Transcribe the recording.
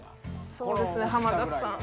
そうですね浜田さん。